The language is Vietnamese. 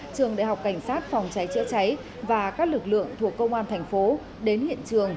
trường đại học cảnh sát phòng cháy chữa cháy và các lực lượng thuộc công an thành phố đến hiện trường